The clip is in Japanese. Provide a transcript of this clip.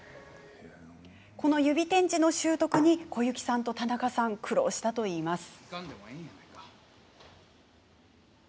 この指点字の習得に小雪さんと田中さんは苦労したといいます。